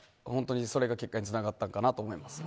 それが結果につながったのかなと思いますね。